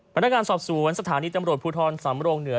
พนักงานสอบสวนสถานีตำรวจภูทรสำรงเหนือ